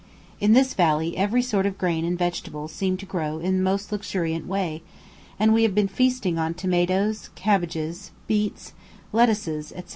In this valley every sort of grain and vegetable seem to grow in the most luxuriant way, and we have been feasting on tomatoes, cabbages, beets, lettuces, etc.